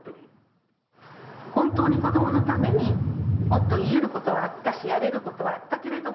本当に子どものためにもっと言えることはあったしやれることはあったけれども。